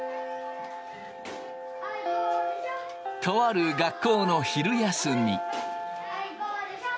とある学校の昼休み。